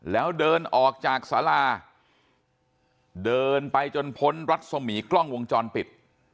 แล้วเดินออกจากสาราเดินไปจนพ้นรัศมีกล้องวงจรปิด